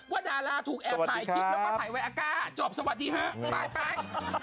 ดาราถูกแอบถ่ายคลิปแล้วก็ถ่ายไว้อาก้าจบสวัสดีฮะไป